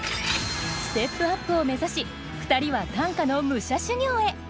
ステップアップを目指し２人は短歌の武者修行へ。